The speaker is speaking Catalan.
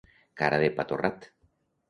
Cara de pa torrat.